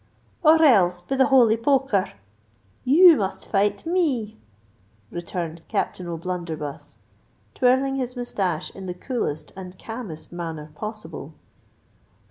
"Or else, be the holy poker r! you must fight me!" returned Captain O'Blunderbuss, twirling his moustache in the coolest and calmest manner possible.